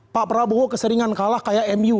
pak prabowo keseringan kalah kayak mu